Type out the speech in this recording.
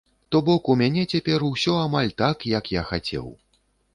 То бок у мяне цяпер усё амаль так, як я хацеў.